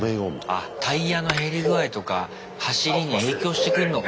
あっタイヤの減り具合とか走りに影響してくんのかな。